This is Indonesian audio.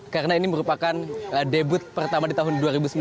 karena ini merupakan debut pertama di tahun dua ribu sembilan belas